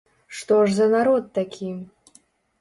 Што ж за народ такі?